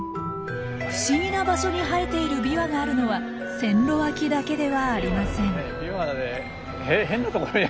不思議な場所に生えているビワがあるのは線路脇だけではありません。